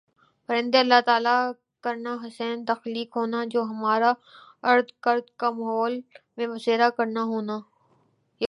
پرندہ اللہ تعالی کرنا حسین تخلیق ہونا جو ہمارہ ارد گرد کا ماحول میں بسیرا کرنا ہونا